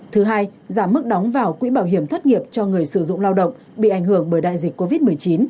thứ hai giảm mức đóng vào quỹ bảo hiểm thất nghiệp cho người sử dụng lao động bị ảnh hưởng bởi đại dịch covid một mươi chín